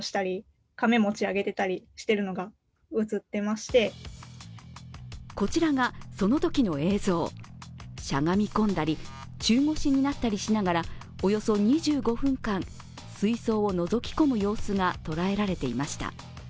しゃがみ込んだり、中腰になったりしながら、およそ２５分間、水槽をのぞき込む様子が捉えられていました。